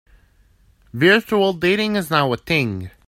Virtual dating is now a thing.